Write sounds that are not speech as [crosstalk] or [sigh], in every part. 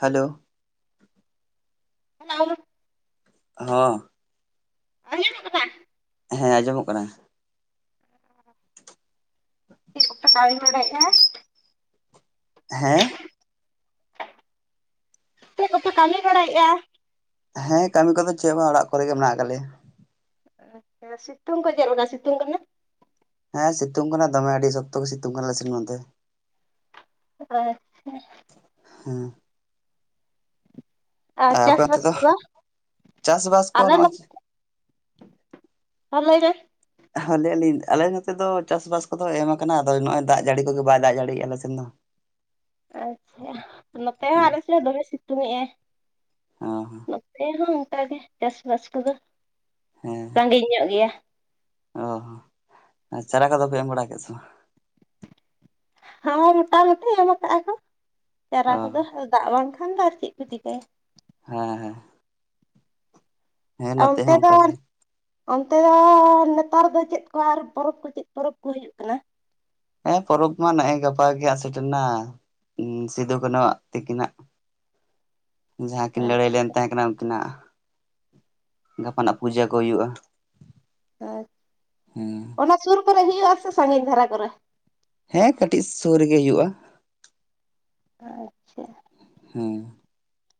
Hello hello ᱦᱚ ᱟᱡᱚᱢᱚᱜ ᱠᱟᱱᱟ? ᱦᱮᱸ ᱟᱸᱡᱚᱢᱚᱜ ᱠᱟᱱᱟ [unintelligible] ᱪᱮᱫ ᱠᱚᱯᱮ ᱠᱟᱢᱤ ᱵᱟᱲᱟᱭᱮᱫᱼᱟ? ᱦᱮᱸ ᱪᱮᱫ ᱠᱚᱯᱮ ᱠᱟᱹᱢᱤ ᱵᱟᱲᱟᱭᱮᱫᱼᱟ? ᱦᱮᱸ ᱠᱟᱹᱢᱤ ᱠᱚᱫᱚ ᱪᱮᱫ ᱦᱚ ᱵᱟᱝ ᱚᱲᱟᱜ ᱠᱚᱨᱮᱜ ᱜᱮ ᱢᱮᱱᱟᱜ ᱟᱠᱟᱫ ᱞᱮᱭᱟ ᱾ ᱟᱪᱪᱷᱟ ᱥᱤᱛᱩᱝ ᱪᱮᱫ ᱞᱮᱠᱟ ᱥᱤᱛᱩᱝ ᱠᱟᱱᱟ? ᱦᱮᱸ ᱥᱤᱛᱩᱝ ᱠᱟᱱᱟ ᱫᱚᱢᱮ ᱟᱹᱰᱤ ᱥᱚᱠᱛᱚ ᱜᱮ ᱥᱤᱛᱩᱝ ᱠᱟᱱᱟ ᱟᱞᱮ ᱥᱮᱱ ᱱᱚᱛᱮ ᱟᱪᱪᱷᱟ ᱦᱮᱸ ᱟᱨ ᱟᱯᱮ ᱪᱟᱥ ᱚᱱᱛᱮ ᱵᱟᱥ ᱫᱚ ᱠᱚᱫᱚ ᱪᱟᱥᱵᱟᱥ [unintelligible] ᱠᱚ ᱱᱚᱜᱼᱚᱭ ᱦᱮᱸ ᱞᱮᱵᱮᱱ ᱦᱮᱸ ᱞᱟᱹᱭᱮᱜ ᱟᱹᱞᱤᱧ ᱟᱞᱮ ᱱᱚᱛᱮ ᱫᱚ ᱪᱟᱥᱵᱟᱥ ᱠᱚᱫᱚ ᱮᱢ ᱟᱠᱟᱱᱟ ᱟᱫᱚ ᱱᱚᱜᱼᱚᱭ ᱫᱟᱜ ᱡᱟᱹᱲᱤ ᱠᱚᱜᱮ ᱵᱟᱭ ᱫᱟᱜ ᱡᱟᱹᱲᱤᱭᱼᱟ ᱟᱞᱮ ᱥᱮᱱ ᱫᱚ᱾ ᱟᱪᱪᱷᱟ ᱱᱚᱛᱮ ᱦᱚᱸ ᱟᱞᱮ ᱥᱮᱫ ᱦᱚᱸ ᱫᱚᱢᱮ ᱥᱤᱛᱩᱝ ᱮᱼᱟᱭ ᱾ ᱚ ᱦᱚᱸ ᱱᱚᱛᱮ ᱦᱚᱸ ᱚᱱᱠᱟᱜᱮ ᱪᱟᱥᱵᱟᱥ ᱠᱚᱫᱚ ᱦᱮᱸ ᱥᱟᱺᱜᱤᱧ ᱧᱚᱜ ᱜᱮᱭᱟ᱾ ᱚ ᱪᱟᱨᱟ ᱠᱚᱫᱚ ᱯᱮ ᱮᱢ ᱵᱟᱲᱟ ᱠᱮᱫ ᱥᱮ ᱵᱟᱝ? ᱦᱚᱸ ᱢᱚᱴᱟᱢᱩᱴᱤ ᱮᱢ ᱠᱟᱜᱼᱟ ᱠᱚ ᱪᱟᱨᱟ ᱵᱟᱝ ᱠᱚᱫᱚ ᱫᱟᱜ ᱵᱟᱝᱠᱷᱟᱱ ᱫᱚ ᱟᱨ ᱪᱮᱫ ᱠᱚ ᱪᱤᱠᱟᱹᱭᱟ? ᱦᱮᱸ ᱦᱮᱸ ᱦᱮᱸ ᱱᱚᱛᱮ ᱚᱱᱛᱮ ᱦᱚᱸ ᱫᱚ ᱚᱱᱠᱟ ᱜᱮ ᱚᱱᱛᱮ ᱫᱚᱻ ᱱᱮᱛᱟᱨ ᱫᱚ ᱪᱮᱫ ᱠᱚ ᱟᱨ ᱯᱚᱨᱚᱵᱽ ᱠᱚ ᱪᱮᱫ ᱯᱚᱨᱚᱵᱽ ᱠᱚ ᱦᱩᱭᱩᱜ ᱠᱟᱱᱟ? ᱦᱮᱸ ᱯᱚᱨᱚᱵᱽ ᱢᱟ ᱱᱟᱜᱼᱚᱭ ᱜᱟᱯᱟ ᱜᱮ ᱦᱟᱸᱜ ᱥᱮᱴᱮᱨ ᱱᱟ, ᱥᱤᱫᱩᱠᱟᱱᱩᱣᱟᱜ ᱛᱤᱠᱤᱱᱟᱜ [inaudible] ᱡᱟᱦᱟᱸ ᱠᱤᱱ ᱦᱮᱸ ᱞᱟᱹᱲᱦᱟᱹᱭ ᱞᱮᱱ ᱛᱟᱦᱮᱸ ᱠᱟᱱᱟ ᱩᱱᱠᱤᱱᱟᱜ ᱜᱟᱯᱟᱱᱟᱜ ᱯᱩᱡᱟᱹ ᱠᱚ ᱦᱩᱭᱩᱜᱼᱟ ᱦᱮᱸ ᱦᱩᱸ ᱚᱱᱟ ᱥᱩᱨ ᱠᱚᱨᱮ ᱦᱤᱭ ᱟᱥᱮ ᱥᱟᱺᱜᱮᱧ ᱫᱷᱟᱨᱟ ᱠᱚᱨᱮ? ᱦᱮᱸ ᱠᱟᱹᱴᱤᱡ ᱥᱩᱨ ᱨᱮᱜᱮ ᱦᱩᱭᱩᱜᱼᱟ᱾ ᱟᱪᱪᱷᱟ᱾ ᱦᱮᱸ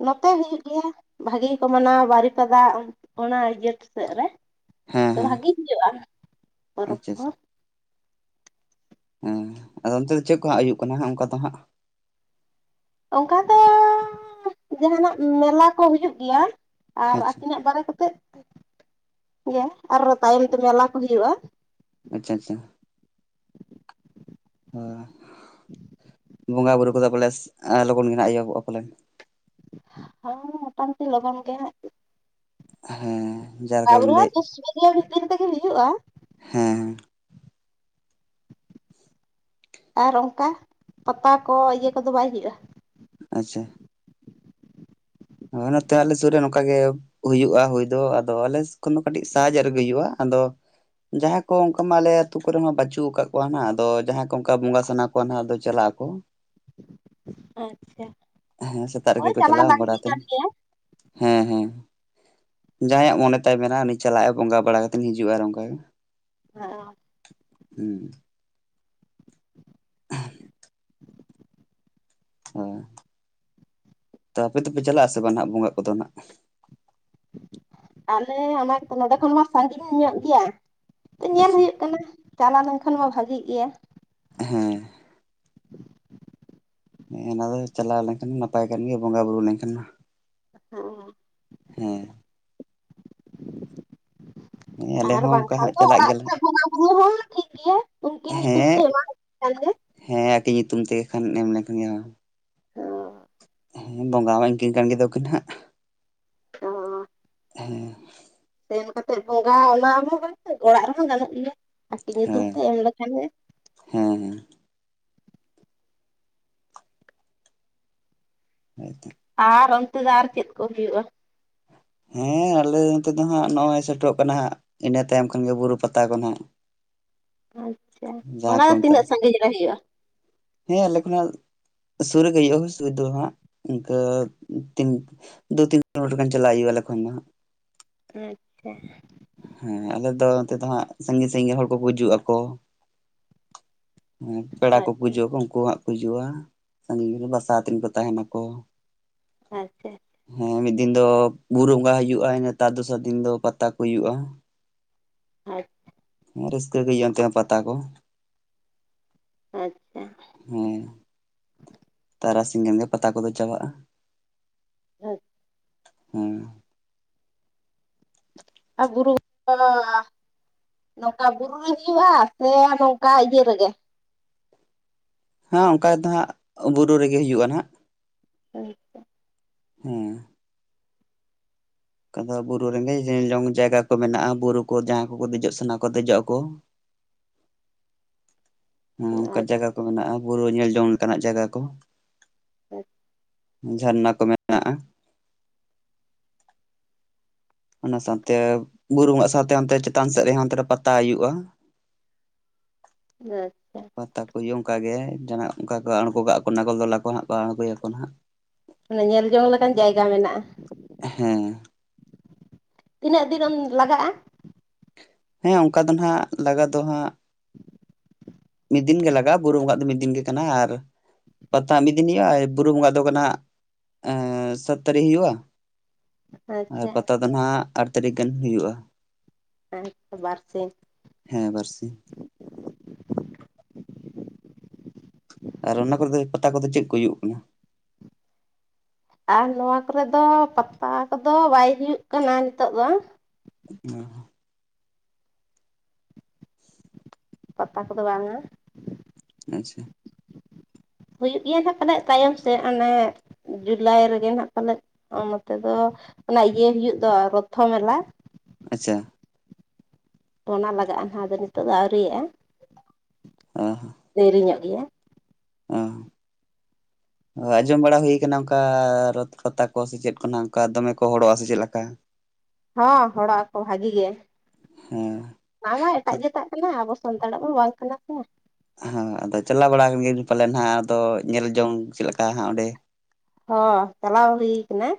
ᱱᱚᱛᱮ ᱦᱩᱭᱩᱜ ᱜᱮᱭᱟ, ᱵᱷᱟᱹᱜᱤ ᱜᱮ ᱠᱚ ᱢᱟᱱᱟᱣᱟ ᱵᱟᱨᱤᱯᱟᱫᱟ ᱚᱱᱟ ᱤᱭᱟᱹ ᱥᱮᱫ ᱨᱮ᱾ ᱦᱮᱸ ᱦᱮᱸ ᱵᱷᱟᱜᱮ ᱦᱩᱭᱩᱜᱼᱟ ᱯᱚᱨᱚᱵᱽ ᱟᱪᱪᱷᱟ ᱠᱚ᱾ ᱦᱩᱸ ᱟᱫᱚ ᱚᱱᱛᱮ ᱫᱚ ᱪᱮᱫ ᱠᱚ ᱦᱟᱜ ᱦᱩᱭᱩᱜ ᱠᱟᱱᱟ ᱚᱱᱠᱟ ᱫᱚ ᱦᱟᱸᱜ? ᱚᱱᱠᱟ ᱫᱚᱻ ᱡᱟᱦᱟᱸ ᱱᱟᱜ ᱢᱮᱞᱟ ᱠᱚ ᱦᱩᱭᱩᱜ ᱜᱮᱭᱟ᱾ ᱟᱨ ᱟᱪᱪᱷᱟ ᱟᱹᱠᱤᱱᱟᱜ ᱵᱟᱨᱮ ᱠᱟᱛᱮᱜ ᱜᱮ ᱟᱨ ᱛᱟᱭᱚᱢ ᱛᱮ ᱢᱮᱞᱟ ᱠᱚ ᱦᱩᱭᱩᱜᱼᱟ᱾ ᱟᱪᱪᱷᱟ ᱟᱪᱷᱟ᱾ ᱦᱳᱭ ᱵᱚᱸᱜᱟ ᱵᱳᱩᱨᱩ ᱠᱚᱫᱚ ᱯᱟᱞᱮ ᱞᱚᱜᱚᱱ ᱜᱮ ᱟᱜ ᱦᱚᱭᱟᱹᱚᱜᱼᱟ ᱯᱟᱞᱮᱱ? ᱦᱚᱸ ᱢᱳᱚᱴᱟᱢᱩᱴᱤ ᱞᱚᱜᱚᱱ ᱜᱮ, ᱦᱮᱸ ᱡᱟᱦᱟᱸ ᱞᱮᱠᱟ ᱵᱤᱱ ᱞᱟᱹᱭᱮᱫ [unintelligible] ᱵᱷᱤᱛᱤᱨ ᱛᱮᱜᱮ ᱦᱩᱭᱩᱜᱼᱟ, ᱦᱮᱸ ᱟᱨ ᱚᱱᱛᱮ ᱯᱟᱛᱟ ᱠᱚ ᱤᱭᱟᱹ ᱠᱚᱫᱚ ᱵᱟᱭ ᱦᱩᱭᱩᱜᱼᱟ? ᱟᱪᱪᱷᱟ ᱦᱳᱭ ᱱᱚᱛᱮ ᱟᱞᱮ ᱥᱩᱨ ᱨᱮ ᱱᱚᱝᱠᱟ ᱜᱮ, ᱦᱩᱭᱩᱜᱼᱟ ᱦᱩᱭ ᱫᱚ ᱟᱫᱚ ᱟᱞᱮ ᱠᱷᱚᱱ ᱫᱚ ᱠᱟᱹᱴᱤᱡ ᱥᱟᱦᱟ ᱧᱚᱜ ᱨᱮᱜᱮ ᱦᱩᱭᱩᱜᱼᱟ, ᱟᱫᱚ ᱡᱟᱦᱟᱸ ᱠᱚ ᱚᱱᱠᱟ ᱢᱟ ᱟᱞᱮ ᱟᱛᱩ ᱠᱚᱨᱮ ᱦᱚ ᱵᱟᱪᱩᱜ ᱟᱠᱟᱫ ᱠᱚᱣᱟ ᱦᱟᱜ ᱟᱫᱚ ᱡᱟᱦᱟᱸᱭ ᱠᱚ ᱚᱱᱠᱟ ᱵᱚᱸᱜᱟ ᱥᱟᱱᱟ ᱠᱚ ᱱᱟᱦᱟᱜ ᱫᱚ ᱪᱟᱞᱟᱜ ᱟᱠᱚ ᱟᱪᱪᱷᱟ ᱾ ᱦᱮᱸ ᱥᱮᱛᱟᱜ ᱨᱮᱜᱮ ᱦᱳᱭ ᱠᱚ ᱪᱟᱞᱟᱣ ᱪᱟᱞᱟᱜᱼᱟ, ᱞᱟᱹᱠᱛᱤ ᱨᱟᱛ ᱠᱟᱱ ᱜᱮᱭᱟ ᱦᱮᱸ ᱦᱮᱸ ᱡᱟᱦᱟᱸ ᱭᱟᱜ ᱢᱚᱱᱮ ᱛᱟᱭ ᱢᱮᱱᱟᱜ ᱩᱱᱤ ᱪᱟᱞᱟᱜᱼᱟᱭ ᱵᱚᱸᱜᱟ ᱵᱟᱲᱟ ᱠᱟᱛᱮ ᱦᱤᱡᱩᱜᱼᱟ ᱚᱱᱠᱟ ᱜᱮ᱾ [unintelligible] ᱦᱮᱸ ᱦᱚᱭ, ᱛᱚ ᱟᱯᱮ ᱫᱚᱯᱮ ᱪᱟᱞᱟᱜ ᱟᱥᱮ ᱵᱟᱝ ᱱᱟᱜ ᱵᱚᱸᱜᱟ ᱠᱚᱫᱚ ᱱᱟᱜ? ᱟᱞᱮ ᱚᱱᱟ ᱱᱚᱰᱮ ᱠᱷᱚᱱ ᱢᱟ ᱥᱟᱺᱜᱤᱧ ᱧᱚᱜ ᱜᱮᱭᱟ, ᱧᱮᱞ ᱦᱮᱸᱥᱮ ᱦᱩᱭᱩᱜ ᱠᱟᱱᱟ᱾ ᱪᱟᱞᱟᱣ ᱞᱮᱱᱠᱷᱟᱱ ᱢᱟ ᱵᱷᱟᱹᱜᱤᱜ ᱜᱮᱭᱟ᱾ ᱦᱮᱸ ᱦᱮᱸ ᱚᱱᱟ ᱫᱚ ᱪᱟᱞᱟᱣ ᱞᱮᱱᱠᱷᱟᱱ ᱱᱟᱯᱟᱭ ᱠᱟᱱ ᱜᱮᱭᱟ ᱵᱚᱸᱜᱟ ᱵᱩᱨᱩ ᱞᱮᱱᱠᱷᱟᱱ ᱢᱟ ᱦᱮᱸ ᱦᱮᱸ ᱦᱮᱸ ᱟᱞᱮ ᱟᱨ ᱦᱚᱸ ᱚᱱᱠᱟ ᱵᱟᱝᱠᱷᱟᱱ ᱦᱟᱸᱜ ᱫᱚ ᱪᱟᱞᱟᱜ ᱚᱲᱟᱜ ᱜᱮᱭᱟᱞᱮ ᱠᱚ ᱵᱚᱸᱜᱟ ᱵᱩᱨᱩ ᱦᱚᱸ ᱴᱷᱤᱠ ᱜᱮᱭᱟ ᱩᱱᱠᱤᱱ ᱧᱩᱛᱩᱢ ᱛᱮ ᱦᱮᱸ ᱮᱢᱟ ᱠᱷᱟᱱ ᱜᱮ ᱦᱮᱸ ᱟᱹᱠᱤᱱ ᱧᱩᱛᱩᱢ ᱛᱮᱜᱮ ᱠᱷᱟᱱ ᱮᱢ ᱞᱮᱠᱷᱟᱱ ᱦᱮᱸ ᱵᱚᱸᱜᱟ ᱢᱟ ᱤᱱᱠᱤᱱ ᱠᱟᱱ ᱜᱮᱫᱚ ᱠᱤᱱ ᱦᱟᱸᱜ ᱾ [unintelligible] [unintelligible] ᱥᱮᱱ ᱠᱟᱛᱮᱫ ᱵᱚᱸᱜᱟ ᱚᱱᱟ ᱦᱚᱸ ᱚᱲᱟᱜ ᱨᱮᱦᱚᱸ ᱜᱟᱱᱚᱜ ᱜᱮᱭᱟ ᱟᱠᱤᱱ ᱧᱩᱛᱩᱢ ᱛᱮ ᱮᱢ ᱞᱮᱠᱷᱟᱱ ᱜᱮ᱾ ᱦᱮᱸ ᱦᱮᱸ [unintelligible] ᱟᱨ ᱚᱱᱛᱮ ᱫᱚ ᱟᱨ ᱪᱮᱫ ᱠᱚ ᱦᱩᱭᱩᱜᱼᱟ? ᱦᱮᱸ ᱟᱞᱮ ᱱᱚᱱᱛᱮ ᱫᱚ ᱦᱟᱸᱜ ᱱᱚᱜᱼᱚᱭ ᱥᱮᱴᱮᱨᱚᱜ ᱠᱟᱱᱟ ᱦᱟᱸᱜ, ᱤᱱᱟᱹ ᱛᱟᱭᱚᱢ ᱠᱷᱚᱱᱜᱮ ᱵᱩᱨᱩ ᱯᱟᱛᱟ ᱠᱚ ᱦᱟᱸᱜ᱾ ᱟᱪᱪᱷᱟ, ᱚᱱᱟ ᱠᱚ ᱫᱚ ᱢᱮᱛᱟᱜᱼᱟ ᱛᱤᱱᱟᱹᱜ ᱥᱟᱺᱜᱤᱧ ᱨᱮ ᱦᱩᱭᱩᱜᱼᱟ? ᱦᱮᱸ ᱟᱞᱮ ᱠᱷᱚᱱᱟᱜ ᱥᱩᱨ ᱨᱮᱜᱮ ᱦᱩᱭᱩᱜ ᱥᱩᱨ ᱫᱚ ᱦᱟᱸᱜ ᱤᱱᱠᱟᱹ ᱛᱤᱱ ᱫᱩ ᱛᱤᱱ ᱠᱤᱞᱳᱢᱤᱴᱟᱨ ᱪᱟᱞᱟᱜ ᱦᱩᱭᱩᱜᱼᱟ ᱟᱞᱮ ᱠᱷᱚᱱ ᱢᱟᱦᱟᱸᱜ ᱾ ᱟᱪᱪᱷᱟ ᱦᱮᱸ ᱟᱞᱮᱫ ᱫᱚ ᱚᱱᱛᱮ ᱫᱚ ᱦᱟᱸᱜ ᱥᱟᱺᱜᱤᱧ ᱥᱟᱺᱜᱤᱧ ᱦᱚᱲ ᱠᱚ ᱜᱩᱡᱩᱜ ᱟᱠᱚ᱾ ᱦᱮᱸ ᱯᱮᱲᱟ ᱠᱚᱠᱚ ᱦᱩᱤᱡᱩᱜ ᱟᱠ ᱩᱱᱠᱩ ᱦᱟᱸᱜ ᱠᱚ ᱦᱤᱡᱩᱜᱼᱟ, ᱥᱟᱺᱜᱤᱧ ᱨᱮᱱ ᱵᱟᱥᱟᱛᱱ ᱠᱚ ᱛᱟᱦᱮᱱᱟᱠᱚ᱾ ᱟᱪᱪᱷᱟ ᱦᱮᱸ ᱢᱤᱫ ᱫᱤᱱ ᱫᱚ ᱵᱩᱨᱩ ᱵᱚᱸᱜᱟ ᱦᱳᱭᱼᱟ, ᱤᱱᱟᱹ ᱱᱮᱛᱟᱨ ᱫᱚᱥᱟᱨ ᱫᱤᱱ ᱫᱚ ᱯᱟᱛᱟ ᱠᱚ ᱦ ᱦᱩᱭᱩᱜᱼᱟ᱾ [unintelligible] ᱦᱮᱸ ᱨᱟᱹᱥᱠᱟᱹ ᱜᱮ ᱦᱩᱭᱩᱜᱼᱟ, ᱚᱱᱛᱮᱱᱟᱜ ᱯᱟᱛᱟ ᱠᱚ। ᱟᱪᱪᱷᱟ, ᱦᱮᱸ ᱛᱟᱨᱟᱥᱤᱧ ᱠᱷᱟᱱᱜᱮ ᱯᱟᱛᱟ ᱠᱚᱫᱚ ᱪᱟᱵᱟᱜᱼᱟ। [unintelligible] ᱦᱩᱸ ᱟᱨ ᱵᱩᱨᱩ [unintelligible] ᱱᱚᱝᱠᱟ ᱵᱩᱨᱩ ᱨᱮ ᱦᱩᱭᱩᱜᱼᱟ, ᱥᱮ ᱱᱚᱝᱠᱟ ᱤᱭᱟᱹ ᱨᱮᱜᱮ। ᱦᱮᱸ ᱚᱱᱠᱟ ᱫᱚ ᱦᱟᱸᱜ ᱵᱩᱨᱩ ᱨᱮᱜᱮ ᱦᱩᱭᱩᱜᱼᱟ ᱱᱟᱦᱟᱜ, ᱟᱪᱪᱷᱟ, ᱦᱩᱸ ᱟᱫᱚ ᱵᱩᱨᱩ ᱨᱮᱸᱜᱮᱡ ᱧᱮᱞ ᱡᱚᱝ ᱡᱟᱭᱜᱟ ᱠᱚ ᱢᱮᱱᱟᱜᱼᱟ, ᱵᱩᱨᱩ ᱠᱚ ᱡᱟᱦᱟᱸᱭ ᱠᱚᱠᱚ ᱫᱮᱡᱚᱜ ᱥᱟᱱᱟ ᱠᱚ ᱫᱮᱡᱚᱜ ᱟᱠᱚ। ᱦᱮᱸ ᱚᱱᱠᱟ ᱡᱟᱭᱜᱟ ᱠᱚ ᱢᱮᱱᱟᱜᱼᱟ, ᱵᱩᱨᱩ ᱧᱮᱞ ᱡᱚᱝ ᱞᱮᱠᱟᱱᱟᱜ ᱡᱟᱭᱜᱟ ᱠᱚ ᱾ [unintelligible] ᱡᱷᱟᱨᱱᱟ ᱠᱚ ᱢᱮᱱᱟᱜᱼᱟ। ᱚᱱᱟ ᱥᱟᱶᱛᱮ ᱵᱩᱨᱩ ᱵᱚᱸᱜᱟᱜ ᱥᱟᱶᱛᱮ ᱚᱱᱛᱮ ᱪᱮᱛᱟᱱ ᱥᱮᱫ ᱨᱮᱦᱚᱸ ᱚᱱᱛᱮ ᱨᱮ ᱯᱟᱛᱟ ᱦᱩᱭᱩᱜᱭᱼᱟ। [unintelligible] ᱯᱟᱛᱟᱠᱚ ᱦᱩᱭᱩᱜᱼᱟ ᱚᱱᱠᱟ ᱜᱮ, ᱡᱟᱦᱟᱱᱟᱜ ᱚᱱᱠᱟ ᱠᱚ ᱟᱬᱜᱳ ᱠᱟᱜ ᱠᱚ ᱱᱟᱜᱚᱞ ᱫᱚᱞᱟ ᱠᱚ ᱦᱟᱸᱜ ᱠᱚ ᱟᱬᱜᱚᱭᱟᱠᱚ ᱱᱟᱦᱟᱸᱜ। ᱚᱱᱟ ᱧᱮᱞ ᱡᱚᱝ ᱞᱮᱠᱟᱱ ᱡᱟᱭᱜᱟ ᱢᱮᱱᱟᱜᱼᱟ। ᱦᱮᱸ ᱛᱤᱱᱟᱹᱜ ᱫᱤᱱ ᱮᱢ ᱞᱟᱜᱟᱜᱼᱟ। ᱦᱮᱸ ᱚᱱᱠᱟ ᱫᱚ ᱱᱟᱦᱟᱜ ᱞᱟᱜᱟᱜ ᱫᱚ ᱦᱟᱸᱜ, ᱢᱤᱫ ᱫᱤᱱ ᱜᱮ ᱞᱟᱜᱟᱜᱼᱟ, ᱵᱩᱨᱩ ᱵᱚᱸᱜᱟᱜ ᱫᱚ ᱢᱤᱫ ᱫᱤᱱ ᱜᱮ ᱠᱟᱱᱟ, ᱟᱨ ᱯᱟᱛᱟ ᱢᱤᱫ ᱫᱤᱱ ᱦᱩᱭᱩᱜᱼᱟ, ᱟᱨ ᱵᱩᱨᱩ ᱵᱚᱸᱜᱟᱜ ᱫᱚ ᱠᱟᱱᱟ, [unintelligible] ᱥᱟᱛ ᱛᱟᱨᱤᱠ ᱦᱩᱭᱩᱜᱼᱟ। ᱟᱨ ᱟᱪᱪᱷᱟ ᱯᱟᱛᱟ ᱫᱚ ᱱᱟᱦᱟᱸᱜ ᱟᱴ ᱛᱟᱹᱨᱤᱠᱷ ᱜᱟᱱ ᱦᱩᱭᱩᱜᱼᱟ। [unintelligible] ᱵᱟᱨᱥᱤᱝ। ᱦᱮᱸ ᱵᱟᱨᱥᱤᱝ। ᱟᱨ ᱚᱱᱟ ᱠᱚᱨᱮ ᱫᱚ ᱯᱟᱛᱟ ᱠᱚᱫᱚ ᱪᱮᱫ ᱠᱚ ᱦᱩᱭᱩᱜ ᱠᱟᱱᱟ। ᱟᱨ ᱱᱚᱣᱟ ᱠᱚᱨᱮ ᱫᱚ ᱯᱟᱛᱟ ᱠᱚᱫᱚ ᱵᱟᱭ ᱦᱩᱭᱩᱜ ᱠᱟᱱᱟ ᱱᱤᱛᱳᱜ ᱫᱚ। [unintelligible] ᱯᱟᱛᱟ ᱠᱚᱫᱚ ᱵᱟᱝᱟ, ᱟᱪᱪᱷᱟ, ᱦᱩᱭᱩᱜ ᱜᱮᱭᱟ ᱱᱟᱜ ᱯᱟᱞᱮ ᱛᱟᱭᱚᱢ ᱥᱮᱫ ᱚᱱᱮ, ᱡᱩᱞᱟᱭ ᱨᱮᱜᱮ ᱱᱟᱜ ᱯᱟᱞᱮᱫ ᱱᱚᱛᱮ ᱫᱚ ᱚᱱᱟ ᱤᱭᱟᱹ ᱦᱩᱭᱩᱜ ᱫᱚ ᱨᱚᱛᱷᱚ ᱢᱮᱞᱟ, ᱟᱪᱪᱷᱟ, ᱯᱚᱱᱟ ᱞᱟᱜᱟᱜᱼᱟ ᱱᱟᱦᱟᱜ ᱟᱫᱚ ᱱᱤᱛᱚᱜ ᱫᱚ ᱟᱹᱣᱨᱤᱭᱟᱜᱼᱟ। ᱟᱸ ᱫᱮᱨᱤᱧᱚᱜ ᱜᱮᱭᱟ, ᱚᱸ [inaudible] ᱟᱸᱡᱚᱢ ᱵᱟᱲᱟ ᱦᱩᱭᱩᱠᱟᱱᱟ ᱚᱱᱠᱟ ᱨᱚᱛ ᱯᱟᱛᱟ ᱠᱚ ᱥᱮ ᱪᱮᱫ ᱠᱚ ᱱᱟᱦᱟᱜ ᱚᱱᱠᱟ ᱫᱚᱢᱮ ᱠᱚ ᱦᱚᱲᱚᱜᱼᱟ ᱥᱮ ᱪᱮᱫᱞᱮᱠᱟ। ᱦᱚᱸ ᱦᱚᱲᱟᱜ ᱟᱠᱚ ᱵᱷᱟᱜᱤ ᱜᱮ। ᱦᱩᱸ ᱚᱱᱟᱢᱟ ᱮᱴᱟᱜ ᱡᱟᱹᱛᱟᱜ ᱠᱟᱱᱟ ᱟᱵᱚ ᱥᱟᱱᱛᱟᱲᱟᱜ ᱫᱚ ᱵᱟᱝ ᱠᱟᱱᱟ ᱥᱮ ᱦᱟᱸ ᱟᱫᱚ ᱪᱟᱞᱟᱣ ᱵᱟᱲᱟᱣ ᱠᱟᱱᱜᱮᱭᱟ ᱵᱤᱱ ᱯᱟᱞᱮᱱ ᱱᱟᱦᱟᱜ ᱟᱫᱚ ᱧᱮᱞ ᱡᱚᱝ ᱪᱮᱫ ᱞᱮᱠᱟ ᱦᱟᱸᱜ ᱚᱸᱰᱮ। ᱦᱚᱸ ᱪᱟᱞᱟᱣ ᱦᱩᱭ ᱠᱟᱱᱟ।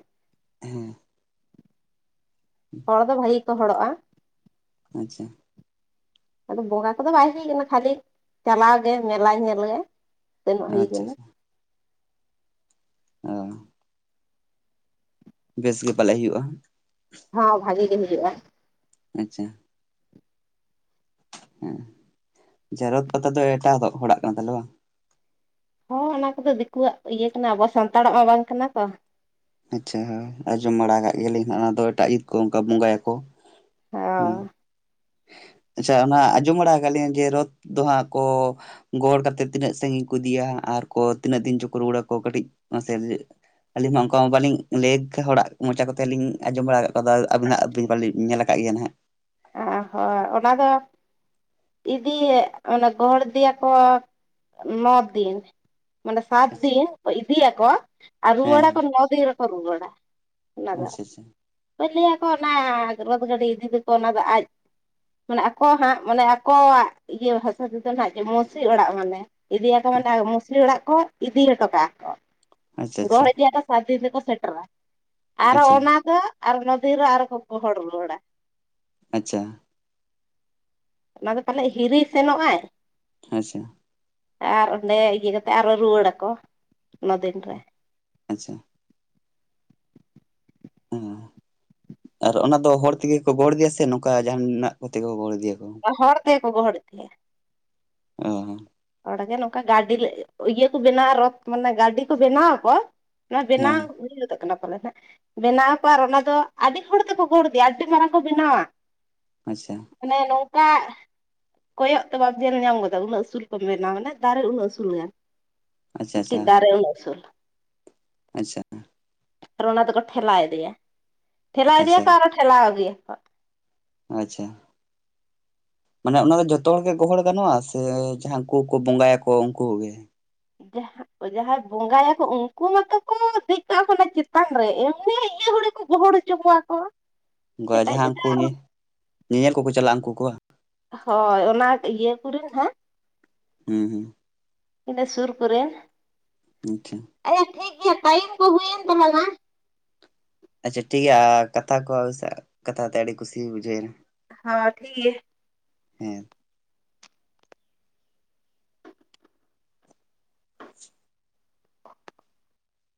ᱦᱮᱸ ᱦᱚᱲ ᱫᱚ ᱵᱷᱟᱜᱤ ᱜᱮᱠᱚ ᱦᱚᱲᱚᱜᱼᱟ। ᱟᱪᱪᱷᱟ ᱟᱫᱚ ᱵᱚᱸᱜᱟ ᱠᱚᱫᱚ ᱵᱟᱭ ᱦᱩᱭ ᱟᱠᱟᱱᱟ ᱠᱷᱟᱹᱞᱤ ᱪᱟᱞᱟᱣ ᱜᱮ ᱢᱮᱞᱟ ᱧᱮᱞ ᱜᱮ ᱥᱮᱱᱚᱜ ᱦᱩᱭ ᱟᱪᱪᱷᱟ ᱟᱠᱟᱱᱟ ᱟᱪᱪᱷᱟ ᱚ ᱵᱮᱥ ᱜᱮ ᱯᱟᱞᱮᱜ ᱦᱩᱭᱩᱜᱼᱟ ᱦᱟᱸᱜ ᱦᱚᱸ ᱵᱷᱟᱜᱤ ᱜᱮ ᱦᱩᱭᱩᱜ-ᱟ ᱟᱪᱪᱷᱟ ᱦᱮᱸ ᱡᱮ ᱨᱚᱛ ᱯᱟᱛᱟ ᱫᱚ ᱮᱴᱟᱜ ᱦᱚᱲᱟᱜ ᱠᱟᱱ ᱛᱟᱦᱞᱮ ᱵᱟᱝ ᱦᱚᱸ ᱚᱱᱟ ᱠᱚᱫᱚ ᱫᱤᱠᱩᱣᱟᱜ ᱤᱭᱟᱹ ᱠᱟᱱᱟ ᱟᱵᱚ ᱥᱟᱱᱛᱟᱲᱟᱜ ᱢᱟ ᱵᱟᱝ ᱠᱟᱱᱟ ᱛᱚ ᱟᱪᱪᱷᱟ ᱦᱳᱭ ᱟᱸᱡᱚᱢ ᱵᱟᱲᱟ ᱠᱟᱫ ᱜᱮᱭᱟᱞᱤᱧ ᱦᱟᱸᱜ ᱚᱱᱟ ᱫᱚ ᱮᱴᱟᱜ ᱡᱟᱹᱛ ᱠᱚ ᱚᱱᱠᱟ ᱵᱚᱸᱜᱟᱭᱟᱠᱚ ᱦᱮᱸ ᱦᱚᱸ ᱟᱪᱪᱷᱟ ᱚᱱᱟ ᱟᱸᱡᱚᱢ ᱵᱟᱲᱟ ᱟᱠᱟᱫ ᱞᱤᱧ ᱡᱮ ᱨᱚᱛᱷ ᱫᱚ ᱦᱟᱸᱜ ᱠᱚ, ᱜᱚᱦᱚᱸᱲ ᱠᱟᱛᱮᱫ ᱛᱤᱱᱟᱹᱜ ᱥᱟᱹᱜᱤᱧ ᱠᱚ ᱤᱫᱤᱭᱟ ᱟᱨᱠᱚ ᱛᱤᱱᱟᱹᱜ ᱫᱤᱱ ᱪᱚᱠᱚ ᱨᱩᱣᱟᱹᱲ ᱟᱠᱚ ᱠᱟᱹᱴᱤᱡ ᱢᱟᱥᱮ ᱟᱹᱞᱤᱧᱢᱟ ᱚᱱᱠᱟ ᱢᱟ ᱵᱟᱞᱤᱧ ᱧᱮᱞ ᱠᱟᱜ, ᱦᱚᱲᱟᱜ ᱢᱚᱪᱟ ᱠᱛᱮᱞᱤᱧ ᱟᱸᱡᱚᱢ ᱵᱟᱲᱟ ᱠᱟᱫᱟ ᱟᱵᱤᱱᱟᱜ ᱟᱵᱤᱱ ᱯᱟᱞᱮᱱ ᱧᱮᱞ ᱟᱠᱟᱜ ᱠᱟᱜ ᱜᱮ ᱱᱟᱦᱟᱜ ᱚ ᱦᱚᱭ ᱚᱱᱟ ᱫᱚ ᱤᱫᱤᱭᱮ, ᱢᱟᱱᱮ ᱜᱚᱦᱚᱲ ᱫᱤᱭᱟᱠᱚ ᱱᱚ ᱫᱤᱱ ᱢᱟᱱᱮ ᱥᱟᱛ ᱫᱤᱱ ᱤᱫᱤᱭᱟᱠᱚ ᱟᱨ ᱦᱮᱸ ᱦᱮᱸ ᱨᱩᱣᱟᱹᱲᱟᱠᱚ ᱱᱚ ᱫᱤᱱ ᱨᱮᱠᱚ ᱨᱩᱣᱟᱹᱲᱟ ᱚᱱᱟ ᱫᱚ ᱟᱪᱪᱷᱟ ᱟᱪᱪᱷᱟ ᱦᱳᱭ ᱞᱟᱹᱭᱟᱠᱚ ᱚᱱᱟ ᱨᱚᱛ ᱜᱟᱹᱰᱤ ᱤᱫᱤ ᱫᱚᱠᱚ ᱚᱱᱟ ᱫᱚ ᱟᱡ ᱢᱟᱱᱮ ᱟᱠᱚ ᱦᱟᱸᱜ ᱢᱟᱱᱮ ᱟᱠᱚᱣᱟᱜ ᱤᱭᱟᱹ ᱵᱷᱟᱥᱟ ᱛᱮᱫᱚ ᱦᱟᱸᱜ ᱡᱮ ᱢᱳᱥᱤ ᱚᱲᱟᱜ ᱢᱟᱱᱮ ᱤᱫᱤᱭᱟᱠᱚ ᱢᱟᱱᱮ ᱢᱳᱥᱤ ᱚᱲᱟᱜ ᱠᱚ ᱤᱫᱤ ᱦᱚᱴᱚ ᱠᱟᱜᱼᱟ ᱠᱚ ᱟᱪᱪᱷᱟ ᱨᱚᱦᱚᱲ ᱤᱫᱤᱭᱟᱠᱚ ᱥᱟᱛ ᱫᱤᱱ ᱨᱮᱠᱚ ᱥᱮᱴᱮᱨᱟ ᱟᱨ ᱟᱪᱪᱷᱟ ᱚᱱᱟ ᱫᱚ ᱟᱨ ᱱᱚ ᱫᱤᱱ ᱟᱨᱦᱚᱸ ᱠᱚ ᱜᱚᱦᱚᱲ ᱨᱩᱣᱟᱸᱲᱟ ᱟᱪᱪᱷᱟ ᱚᱱᱟ ᱫᱚ ᱯᱟᱞᱮᱫ ᱦᱤᱨᱤ ᱥᱮᱱᱚᱜᱼ ᱟᱭ ᱦᱮᱸ ᱥᱮ ᱟᱨ ᱚᱸᱰᱮ ᱤᱫᱤ ᱠᱟᱛᱮ ᱟᱨᱚ ᱨᱩᱣᱟᱹᱲᱟᱠᱚ ᱱᱚ ᱫᱤᱱ ᱨᱮ ᱟᱪᱪᱷᱟ ᱦᱩᱸ, ᱟᱨ ᱚᱱᱟ ᱫᱚ ᱦᱚᱲ ᱛᱮᱜᱮ ᱠᱚ ᱜᱚᱲ ᱤᱫᱤᱭᱟ ᱥᱮ ᱱᱚᱝᱠᱟ ᱡᱟᱦᱟᱸᱭ ᱢᱮᱱᱟᱜ ᱠᱚᱛᱮ ᱠᱚ ᱜᱚᱦᱚᱲ ᱤᱫᱤᱭᱟᱠᱚ ᱦᱚᱲ ᱛᱮᱜᱮ ᱠᱚ ᱜᱚᱦᱚᱲ ᱤᱫᱤᱭᱟ ᱚ ᱦᱚᱲᱜᱮ ᱱᱚᱝᱠᱟ ᱜᱟᱹᱰᱤ ᱤᱭᱟᱹ ᱠᱚ ᱵᱮᱱᱟᱣᱟ ᱨᱚᱛ ᱢᱟᱱᱮ ᱜᱟᱹᱰᱤ ᱠᱚ ᱵᱮᱱᱟᱣᱟ ᱠᱚ ᱚᱱᱟ ᱵᱮᱱᱟᱣ ᱦᱮᱸ ᱦᱩᱭ ᱯᱟᱞᱮᱱ ᱦᱟᱸᱜ ᱵᱮᱱᱟᱣ ᱟᱠᱚ ᱟᱨ ᱚᱱᱟ ᱫᱚ ᱟᱹᱰᱤ ᱦᱚᱲ ᱛᱮᱠᱚ ᱜᱚᱲ ᱤᱫᱮᱭᱟ ᱟᱹᱰᱤ ᱢᱟᱨᱟᱝ ᱠᱚ ᱵᱮᱱᱟᱣᱟ ᱟᱪᱪᱷᱟ ᱢᱟᱱᱮ ᱱᱚᱝᱠᱟ ᱠᱚᱭᱚᱜ ᱛᱮ ᱵᱟᱢ ᱧᱮᱞ ᱧᱟᱢ ᱜᱚᱫᱟ ᱩᱱᱟᱹᱜ ᱟᱹᱥᱩᱞ ᱠᱚ ᱢᱮᱱᱟ ᱢᱟᱱᱮ ᱫᱟᱨᱮ ᱩᱱᱟᱹᱜ ᱩᱥᱩᱞ ᱜᱟᱱ ᱟᱪᱪᱷᱟ ᱟᱪᱪᱷᱟ ᱢᱤᱫᱴᱤᱡ ᱫᱟᱨᱮ ᱩᱱᱟᱹᱜ ᱩᱥᱩᱞ ᱟᱪᱪᱷᱟ ᱟᱨ ᱚᱱᱟ ᱫᱚᱠᱚ ᱴᱷᱮᱞᱟᱣ ᱤᱫᱤᱭᱟ ᱴᱷᱮᱞᱟᱣ ᱟᱪᱪᱷᱟ ᱤᱫᱤᱭᱟᱠᱚ ᱟᱨ ᱠᱚ ᱴᱷᱮᱞᱟᱣ ᱟᱹᱜᱩᱭᱟᱠᱚ ᱟᱪᱪᱷᱟ ᱢᱟᱱᱮ ᱚᱱᱟ ᱫᱚ ᱡᱚᱛᱚ ᱦᱚᱲ ᱜᱮ ᱜᱚᱦᱚᱲ ᱜᱟᱱᱚᱜᱼᱟ ᱥᱮ ᱡᱟᱦᱟᱸ ᱩᱱᱠᱩ ᱠᱚ ᱵᱚᱸᱜᱟᱭᱟᱠᱚ ᱩᱱᱠᱩ ᱠᱚᱜᱮ ᱡᱟᱦᱟᱸ ᱡᱟᱦᱟᱸᱭ ᱵᱚᱸᱜᱟᱭᱟᱠᱚ ᱩᱱᱠᱩ ᱢᱟᱛᱚ ᱠᱚ ᱫᱮᱡ ᱠᱚᱜᱼᱟ ᱠᱚ ᱪᱮᱛᱟᱱ ᱨᱮ ᱮᱢᱱᱤ ᱤᱭᱟᱹ ᱦᱚᱲ ᱠᱚ ᱜᱚᱦᱚᱲ ᱪᱚ ᱠᱚᱣᱟ ᱠᱚ ᱚᱱᱠᱟ ᱮᱴᱟᱜ ᱡᱟᱦᱟᱸ ᱩᱱᱠᱩ ᱪᱮᱛᱟᱱ ᱧᱮ ᱨᱮ᱾ ᱧᱮᱧᱮᱞ ᱠᱚᱠᱚ ᱪᱟᱞᱟᱜᱼᱟ ᱩᱱᱠᱩ ᱠᱚᱣᱟ ᱦᱳᱭ ᱚᱱᱟ ᱤᱭᱟᱹ ᱠᱚᱨᱮᱱ ᱦᱟᱸᱜ ᱦᱩᱸ ᱦᱩᱸ ᱤᱱᱟᱹ ᱥᱩᱨ ᱠᱚᱨᱮ [unintelligible] ᱟᱨᱮ ᱴᱷᱤᱠ ᱜᱮᱭᱟ ᱴᱟᱭᱤᱢ ᱠᱚ ᱦᱩᱭᱮᱱ ᱛᱟᱞᱟᱝᱟ ᱟᱪᱪᱷᱟ ᱴᱷᱤᱠ ᱜᱮᱭᱟ ᱠᱟᱛᱷᱟ ᱠᱚ ᱠᱟᱛᱷᱟ ᱛᱮ ᱟᱹᱰᱤ ᱠᱩᱥᱤᱧ ᱵᱩᱡᱷᱟᱹᱣᱮᱱᱟ [unintelligible] ᱦᱮᱸ [inaudible]